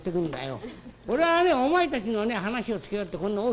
俺はねお前たちのね話をつけようってこんな大きくなったんじゃないんだよ。